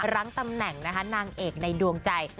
รั้งตำแหน่งนะคะนางเอกในดวงใจ